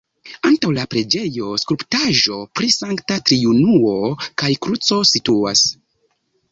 Antaŭ la preĝejo skulptaĵo pri Sankta Triunuo kaj kruco situas.